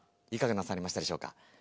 いかがなさいましたでしょうか。